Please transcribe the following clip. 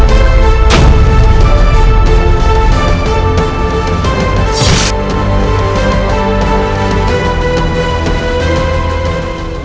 aku yang melahirkan ayahmu